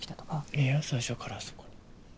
いや最初からあそこに。